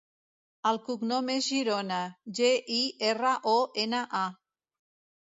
El cognom és Girona: ge, i, erra, o, ena, a.